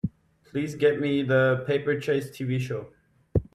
Please get me The Paper Chase TV show.